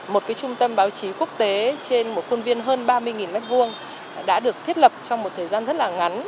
một trung tâm báo chí quốc tế trên một khuôn viên hơn ba mươi m hai đã được thiết lập trong một thời gian rất là ngắn